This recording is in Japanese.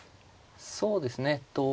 そうですね